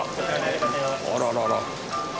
あららら。